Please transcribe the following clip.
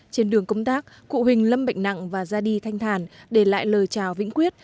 trên đường công tác cụ huỳnh lâm bệnh nặng và ra đi thanh thàn để lại lời chào vĩnh quyết